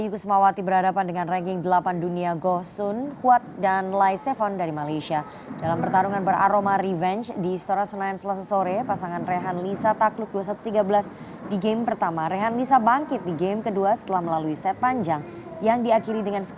kami berdua pengen lebih fokus lagi